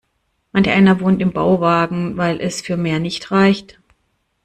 Manch einer wohnt im Bauwagen, weil es für mehr nicht reicht.